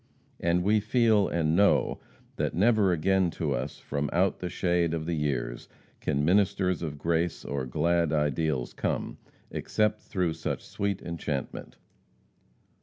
And we feel, and know, that never again to us from out the shade of the years, can ministers of grace or glad ideals come, except through such sweet enchantment.